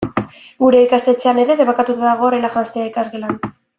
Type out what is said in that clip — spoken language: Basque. Gure ikastetxean ere debekatuta dago horrela janztea ikasgelan.